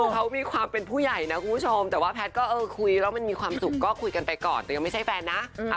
เขามีความเป็นผู้ใหญ่นะคุณผู้ชมแต่ว่าแพทย์ก็เออคุยแล้วมันมีความสุขก็คุยกันไปก่อนแต่ยังไม่ใช่แฟนนะ